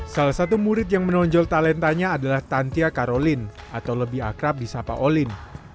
salah satu murid yang menonjol talentanya adalah tantia karolin atau lebih akrab di sapa olin